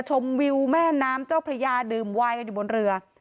ชมวิวแม่น้ำเจ้าพระยาดื่มวายกันอยู่บนเรือ